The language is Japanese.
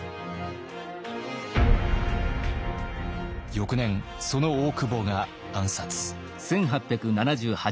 翌年その大久保が暗殺。